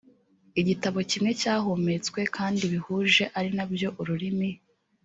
igitabo kimwe cyahumetswe kandi bihuje ari na byo ururimi